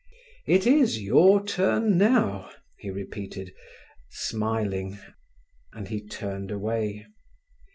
"It is your turn now," he repeated, smiling, and he turned away.